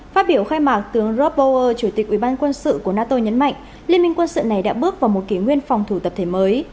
phát biểu khai mạc tướng rob bower chủ tịch ủy ban quân sự của nato nhấn mạnh liên minh quân sự này đã bước vào một kỷ nguyên phòng thủ tập thể mới